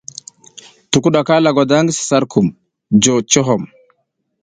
Tukuɗaka lagwada ngi vi sar kumuŋ jo cohom.